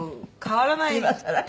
変わらない？